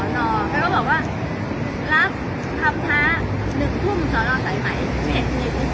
มาบอกว่ากรับทำท้าหนึ่งทุ่มศนสัยใหม่นึกเธออยู่ทุ่มศน